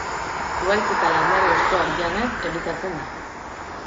Zuhaitz eta landare hostoak janez elikatzen da.